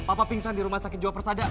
papa pingsan di rumah sakit jiwa persada